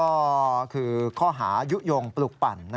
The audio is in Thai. ก็คือข้อหายุโยงปลูกปั่น